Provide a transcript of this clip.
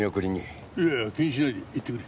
いやいや気にしないで行ってくれ。